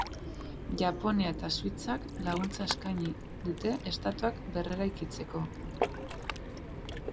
Japonia eta Suitzak laguntza eskaini dute estatuak berreraikitzeko.